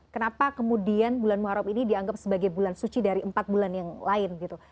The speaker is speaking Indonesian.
kenapa kemudian bulan muharram ini dianggap sebagai bulan suci dari empat bulan yang lain gitu